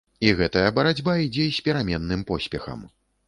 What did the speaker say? І гэтая барацьба ідзе з пераменным поспехам.